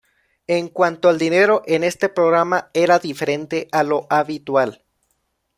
En cuanto al dinero en este programa, era diferente a lo habitual.